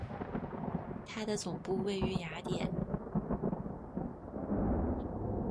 它的总部位于雅典。